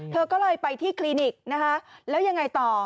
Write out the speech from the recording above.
เธอก็เลยไปที่คลินิกนะคะแล้วยังไงต่อ